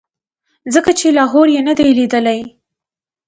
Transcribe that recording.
ځکه چې لاهور یې نه دی لیدلی.